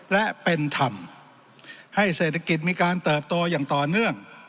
และเป็นธรรมให้เศรษฐกิจมีการเติบโตอย่างต่อเนื่อง